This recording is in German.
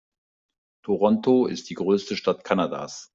Toronto ist die größte Stadt Kanadas.